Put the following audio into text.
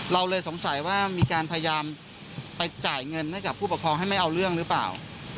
เราเลยสงสัยว่ามีการพยายามไปจ่ายเงินให้กับผู้ปกครองให้ไม่เอาเรื่องหรือเปล่า